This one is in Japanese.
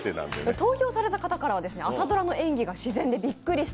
投票された方からは朝ドラの演技が自然でびっくりした。